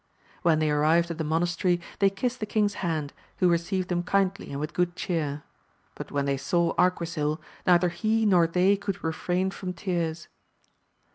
When they arrived at the monastery, they kissed the king's hand, who received them kindly and with good cheer. But when they saw Arquisil, neither he nor they could refrain from tears.